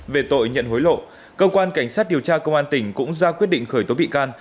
về tội nhận hối lộ cơ quan cảnh sát điều tra công an tỉnh cũng ra quyết định khởi tố bị can